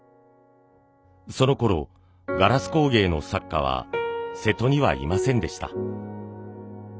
そのころガラス工芸の作家は瀬戸にはいませんでした。